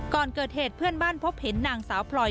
ก่อนเกิดเหตุเพื่อนบ้านพบเห็นนางสาวพลอย